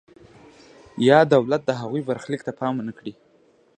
یا دولت د هغوی برخلیک ته پام ونکړي.